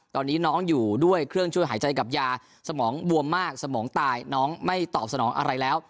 ตอนนี้น้องอยู่ด้วยเครื่องช่วยหายใจกับยาสมองบวมมากสมองตายน้องไม่ตอบสนองอะไรแล้ว